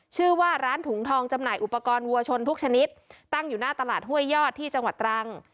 ชื่อว่าร้านถุงทองจำหน่ายอุปกรณ์วัวชนทุกชนิดตั้งอยู่หน้าตลาดห้วยยอดที่จังหวัดตรัง